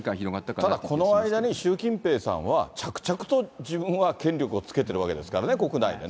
ただこの間に、習近平さんは、着々と自分は権力をつけてるわけですからね、国内でね。